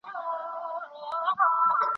تاسو بايد د فکري ثبات لپاره دقيق مطالعه وکړئ.